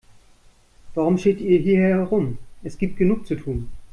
Warum steht ihr hier herum, es gibt genug zu tun.